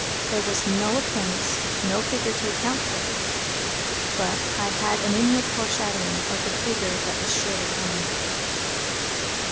There was no appearance—no figure—to account for it; but I had now an inward foreshadowing of the figure that was surely coming.